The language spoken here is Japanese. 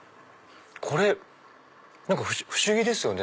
これ何か不思議ですよね。